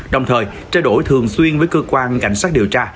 đồng thời trao đổi thường xuyên với cơ quan cảnh sát điều tra